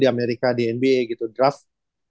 di amerika di nba gitu draft